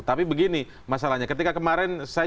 tapi begini masalahnya ketika kemarin saya